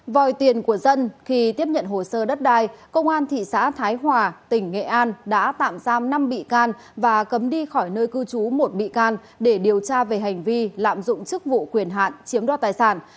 vòi tiền của dân khi tiếp nhận hồ sơ đất đai công an thị xã thái hòa tỉnh nghệ an đã tạm giam năm bị can và cấm đi khỏi nơi cư trú một bị can để điều tra về hành vi lạm dụng chức vụ quyền hạn chiếm đo tài sản